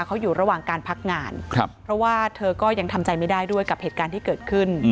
เขาอยู่ระหว่างการพักงานครับเพราะว่าเธอก็ยังทำใจไม่ได้ด้วยกับเหตุการณ์ที่เกิดขึ้น